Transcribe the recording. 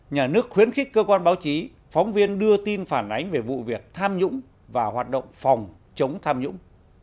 nhà nước khuyến khích cơ quan báo chí phóng viên đưa tin phản ánh về vụ việc tham nhũng và hoạt động phòng chống tham nhũng